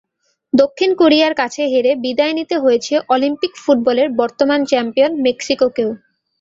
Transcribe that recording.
দক্ষিণ কোরিয়ার কাছে হেরে বিদায় নিতে হয়েছে অলিম্পিক ফুটবলের বর্তমান চ্যাম্পিয়ন মেক্সিকোকেও।